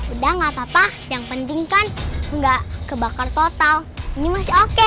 udah gak apa apa yang penting kan enggak kebakar total ini masih oke